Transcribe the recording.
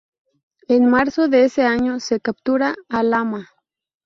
En marzo de ese año se captura Alhama.